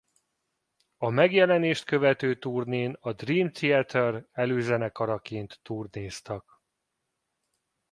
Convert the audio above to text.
A megjelenést követő turnén a Dream Theater előzenekaraként turnéztak.